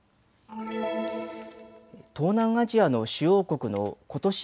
東南アジアの主要国のことし